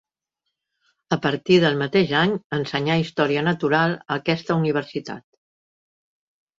A partir del mateix any ensenyà història natural a aquesta universitat.